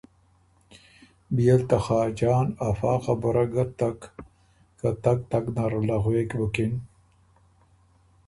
بيې ل ته خاجان افا خبُره ګه تک، که تګ تګ نره له غوېک بُکِن